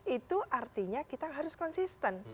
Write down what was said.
itu artinya kita harus konsisten